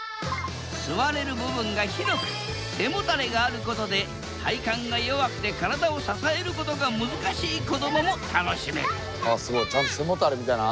座れる部分が広く背もたれがあることで体幹が弱くて体を支えることが難しい子どもも楽しめる。